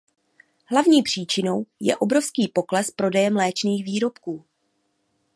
Hlavní příčinou je obrovský pokles prodeje mléčných výrobků.